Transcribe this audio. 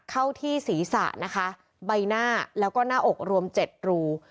เข้าที่ศีรษะนะคะใบหน้าแล้วก็หน้าอกรวม๗รู